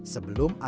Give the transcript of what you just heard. sebelum atas kondisi